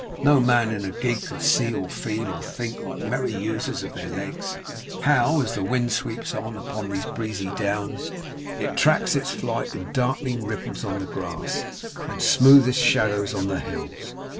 No man in a gig could see, or feel, or think, like merry users of their legs. How, as the wind sweeps on, upon these breezy downs, it tracks its flight in darkening ripples on the grass, and smoothest shadows on the hills!